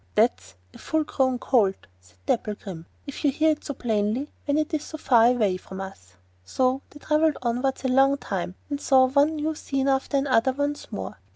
'That's a full grown colt,' said Dapplegrim, 'if you hear it so plainly when it is so far away from us.' So they travelled onwards a long time, and saw one new scene after another once more.